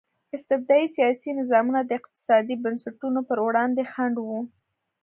استبدادي سیاسي نظامونه د اقتصادي بنسټونو پر وړاندې خنډ وو.